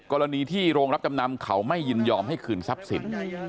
กรณีที่โรงรับจำนำเขาไม่ยินยอมให้คืนทรัพย์สิน